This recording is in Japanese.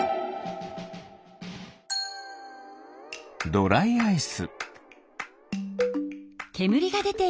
ドライアイス。